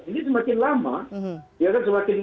ini semakin lama dia akan semakin